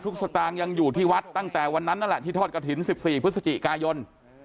สตางค์ยังอยู่ที่วัดตั้งแต่วันนั้นนั่นแหละที่ทอดกระถิ่น๑๔พฤศจิกายน